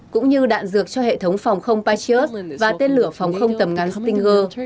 cũng như đạn dược cho hệ thống phòng không patriot và tên lửa phòng không tầm ngắn stinger